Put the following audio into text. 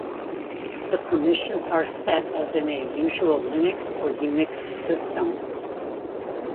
The permissions are set as in a usual Linux or Unix system.